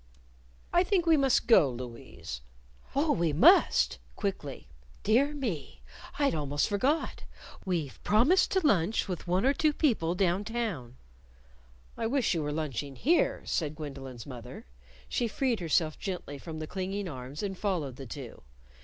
"I think we must go, Louise." "Oh, we must," quickly. "Dear me! I'd almost forgot! We've promised to lunch with one or two people down town." "I wish you were lunching here," said Gwendolyn's mother. She freed herself gently from the clinging arms and followed the two.